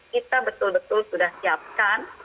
kita betul betul sudah siapkan